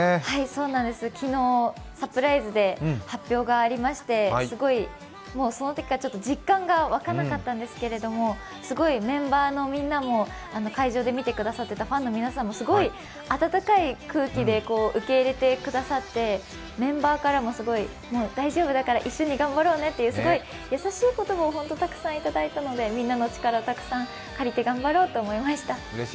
そうなんです、昨日サプライズで発表がありまして、そのときから実感が湧かなかったんですけれども、メンバーのみんなも会場で見てくださってたファンの皆さんもすごい温かい空気で受け入れてくださって、メンバーからもすごい、大丈夫だから一緒に頑張ろうねっていう優しい言葉をたくさんいただいたのでみんなの力をたくさん借りて頑張ろうと思いました。